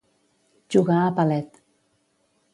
Jugar a palet.